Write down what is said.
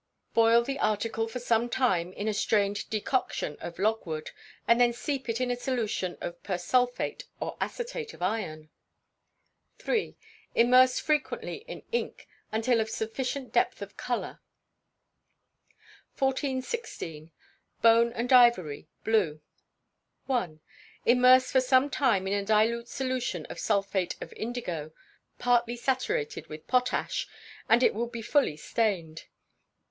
Boil the article for some time in a strained decoction of logwood, and then steep it in a solution of persulphate or acetate of iron. iii. Immerse frequently in ink, until of sufficient depth of colour. 1416. Bone and Ivory. Blue. i. Immerse for some time in a dilute solution of sulphate of indigo partly saturated with potash and it will be fully stained.